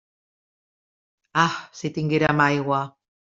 Ah, si tinguérem aigua!